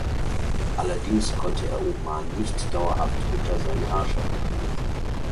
Allerdings konnte er Oman nicht dauerhaft unter seine Herrschaft bringen.